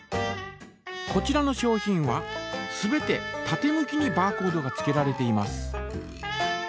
こちらの商品は全て縦向きにバーコードがつけられています。